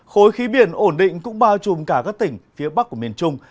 khối khí biển ổn định cũng bao trùm cả các tỉnh phía bắc của miền trung